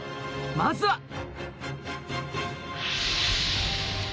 まずは。